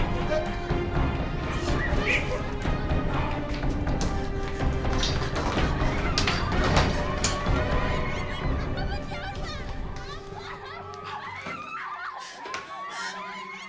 pak jangan pak